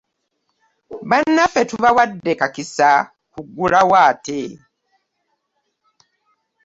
Bannaffe tobawadde kakisa kuggulawo ate?